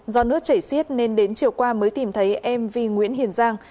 do nước chảy xiết nên đến chiều qua mới tìm thấy em vi nguyễn hiền giang